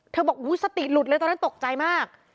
บอกสติหลุดเลยตอนนั้นตกใจมาก